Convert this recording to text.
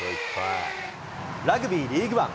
ラグビーリーグワン。